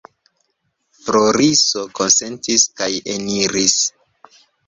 Floriso konsentis kaj eniris.